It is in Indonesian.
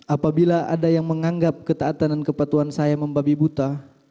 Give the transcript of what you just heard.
apabila ada yang menganggap ketaatan dan kepatuhan saya membabi buta